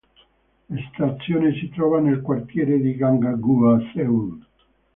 La stazione si trova nel quartiere di Gangnam-gu a Seul.